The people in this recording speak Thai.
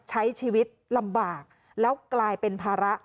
ใช้ชีวิตลำบากแล้วกลายเป็นภาระ